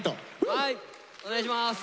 はいお願いします。